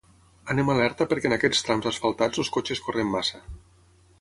Anem alerta perquè en aquests trams asfaltats els cotxes corren massa